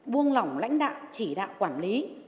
buông lỏng lãnh đạo chỉ đạo quản lý